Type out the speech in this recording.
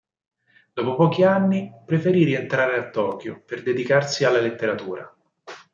Dopo pochi anni preferì rientrare a Tokyo per dedicarsi alla letteratura.